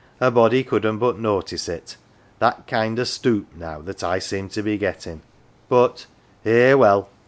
A body couldn't but notice it that kind o' stoop now that I seem to be gettin'. But, eh well